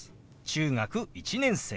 中学１年生。